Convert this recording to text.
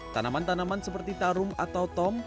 tanaman tanaman seperti tarum atau tom